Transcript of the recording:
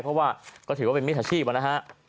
เพราะว่าก็ถือว่าเป็นมิจฉาชีพนะฮะ